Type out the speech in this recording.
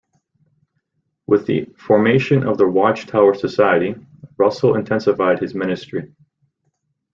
With the formation of the Watch Tower Society, Russell intensified his ministry.